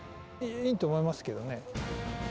いいと思いますけどね。